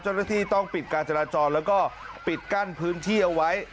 เจ้าหน้าที่ต้องปิดการจราจรแล้วก็ปิดกั้นพื้นที่เอาไว้